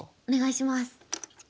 お願いします。